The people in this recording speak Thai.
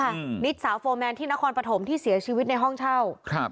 เพราะเราปลืนมาพี่สาวโฟร์แมนที่นครพะธมที่เสียชีวิตในห้องเช้า